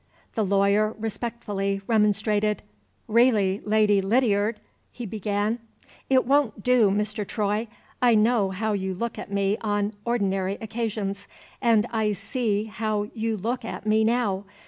The lawyer respectfully remonstrated. "Really, Lady Lydiard! " he began. "It won't do, Mr. Troy! I know how you look at me on ordinary occasions, and I see how you look at me now.